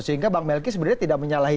sehingga bang melki sebenarnya tidak menyalahi